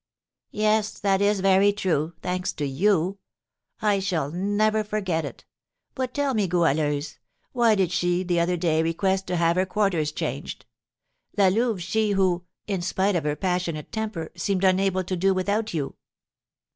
"Yes, that is very true, thanks to you; I shall never forget it. But, tell me, Goualeuse, why did she the other day request to have her quarters changed, La Louve, she, who, in spite of her passionate temper, seemed unable to do without you?"